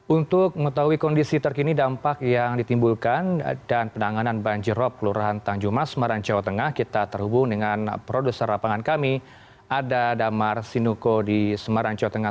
untuk mengetahui kondisi terkini dampak yang ditimbulkan dan penanganan banjirop kelurahan tanjung mas semarang jawa tengah kita terhubung dengan produser lapangan kami ada damar sinuko di semarang jawa tengah